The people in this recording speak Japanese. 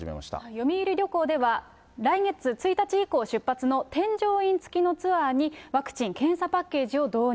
読売旅行では、来月１日以降、出発の添乗員付きのツアーに、ワクチン・検査パッケージを導入。